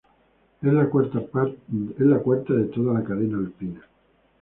Es la cuarta de toda la cadena alpina.